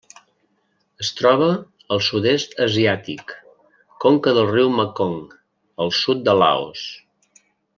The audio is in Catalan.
Es troba al Sud-est asiàtic: conca del riu Mekong al sud de Laos.